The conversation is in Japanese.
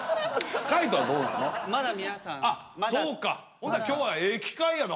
ほんなら今日はええ機会やな。